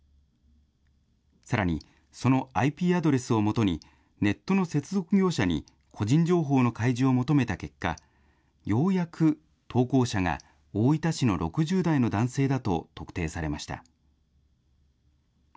さらに、そのＩＰアドレスをもとに、ネットの接続業者に個人情報の開示を求めた結果、ようやく投稿者が大分市の６０代の男性だと特定されました。